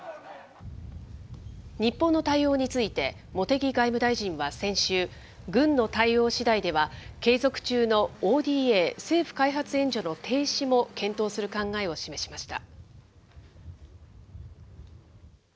日本の対応について、茂木外務大臣は先週、軍の対応しだいでは継続中のＯＤＡ・政府開発援助の停止も検討する考えを示しました。